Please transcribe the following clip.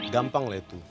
gampang lah itu